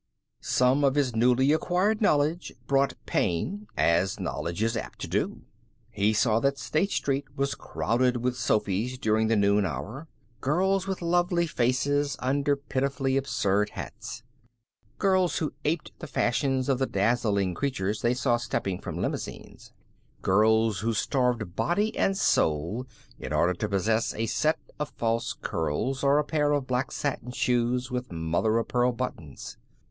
Some of his newly acquired knowledge brought pain, as knowledge is apt to do. He saw that State Street was crowded with Sophys during the noon hour; girls with lovely faces under pitifully absurd hats. Girls who aped the fashions of the dazzling creatures they saw stepping from limousines. Girls who starved body and soul in order to possess a set of false curls, or a pair of black satin shoes with mother o' pearl buttons.